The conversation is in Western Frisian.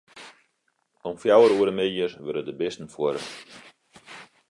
Om fjouwer oere middeis wurde de bisten fuorre.